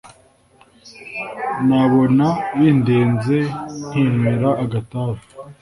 nabona bindenze Nkinywera agatabi